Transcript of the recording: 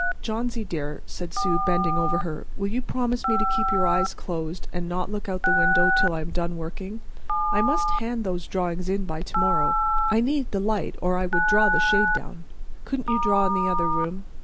"Johnsy, dear," said Sue, bending over her, "will you promise me to keep your eyes closed, and not look out the window until I am done working? I must hand those drawings in by to morrow. I need the light, or I would draw the shade down." "Couldn't you draw in the other room?"